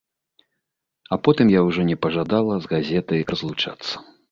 А потым я ўжо не пажадала з газетай разлучацца.